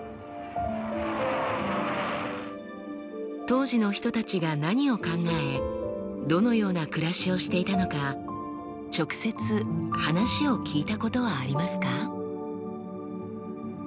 当時の人たちが何を考えどのような暮らしをしていたのか直接話を聞いたことはありますか？